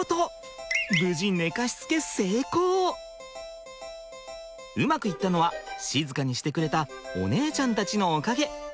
無事うまくいったのは静かにしてくれたお姉ちゃんたちのおかげ。